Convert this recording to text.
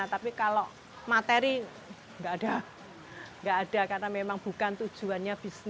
tapi kalau materi gak ada gak ada karena memang bukan tujuannya bisnis di wayang